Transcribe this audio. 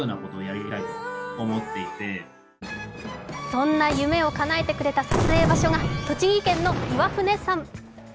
そんな夢をかなえてくれた撮影場所が栃木県の岩船山。